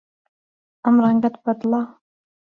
ئەم ڕەنگەت بەدڵە؟